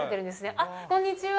あっ、こんにちは。